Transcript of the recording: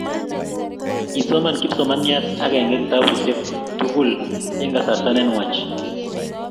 Kisoman kipsomaniat akenge kitapusyek tukul eng' kasarta ne nwach.